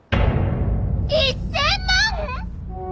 １０００万！？